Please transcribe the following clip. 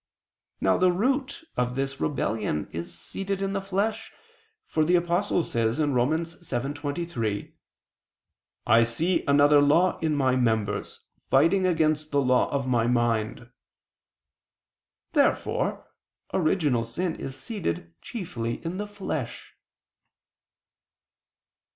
Now the root of this rebellion is seated in the flesh: for the Apostle says (Rom. 7:23): "I see another law in my members fighting against the law of my mind." Therefore original sin is seated chiefly in the flesh.